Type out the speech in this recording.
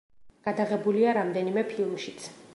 გადაღებულია რამდენიმე ფილმშიც.